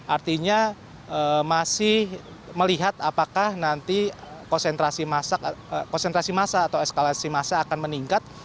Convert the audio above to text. artinya masih melihat apakah nanti konsentrasi massa atau eskalasi massa akan meningkat